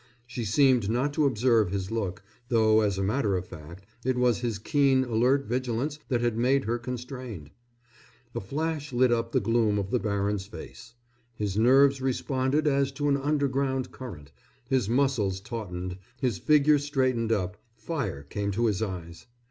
She seemed not to observe his look, though, as a matter of fact, it was his keen, alert vigilance that had made her constrained. A flash lit up the gloom of the baron's face. His nerves responded as to an underground current, his muscles tautened, his figure straightened up, fire came to his eyes.